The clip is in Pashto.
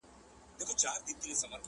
چي به شپه ورباندي تېره ورځ به شپه سوه.!